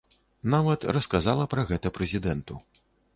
Нават расказала пра гэта прэзідэнту.